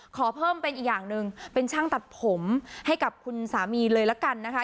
ขอเพิ่มเป็นอีกอย่างหนึ่งเป็นช่างตัดผมให้กับคุณสามีเลยละกันนะคะ